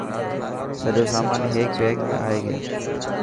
سڄو سامان هيڪي بيگ ۾ آي گيو.